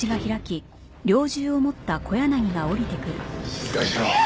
静かにしろ！